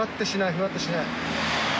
ふわってしない。